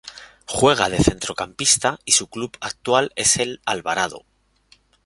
Juega de centrocampista y su club actual es el Alvarado.